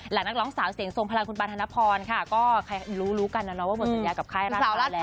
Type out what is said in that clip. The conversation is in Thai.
หลักนักร้องสาวเสียงทรงพลังคุณปานธนพรค่ะก็รู้กันนะว่าบอกสัญญากับค่ายราดเภาแล้ว